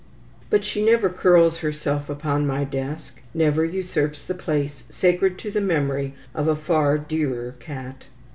But she never curls herself upon my desk, never usurps the place sacred to the memory of a far dearer cat.